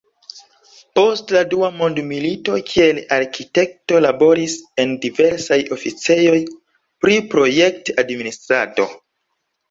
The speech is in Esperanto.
Post la dua mondmilito kiel arkitekto laboris en diversaj oficejoj pri projekt-administrado.